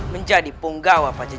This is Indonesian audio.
menjadi penggawa pajajaran